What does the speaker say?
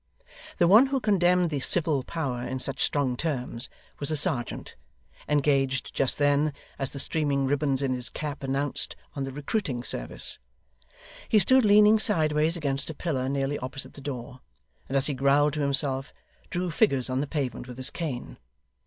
The one who condemned the civil power in such strong terms, was a serjeant engaged just then, as the streaming ribands in his cap announced, on the recruiting service. He stood leaning sideways against a pillar nearly opposite the door, and as he growled to himself, drew figures on the pavement with his cane.